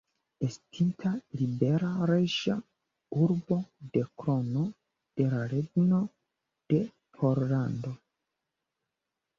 Estinta libera reĝa urbo de Krono de la Regno de Pollando.